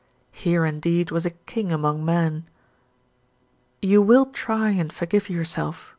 Here indeed was a king among men. "You will try and forgive yourself?"